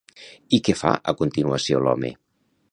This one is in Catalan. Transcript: I què fa a continuació l'home?